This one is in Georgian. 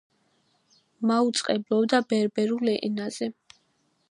მაუწყებლობდა ბერბერულ ენაზე.